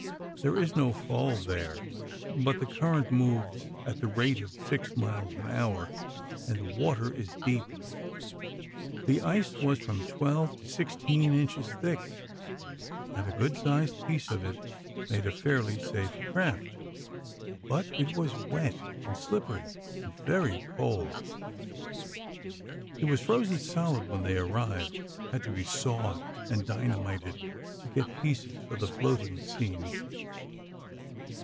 There is no fall there, but the current moves at the rate of six miles an hour, and the water is deep. The ice was from twelve to sixteen inches thick, and a good sized piece of it made a fairly safe craft, but it was wet and slippery, and very cold. It was frozen solid when they arrived; had to be sawed and dynamited, to get pieces for the floating scene.